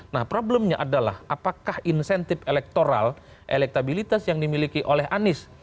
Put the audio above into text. nah problemnya adalah apakah insentif elektoral elektabilitas yang dimiliki oleh anies